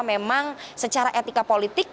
memang secara etika politik